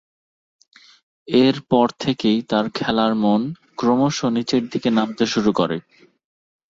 এরপর থেকেই তার খেলার মান ক্রমশঃ নিচের দিকে নামতে শুরু করে।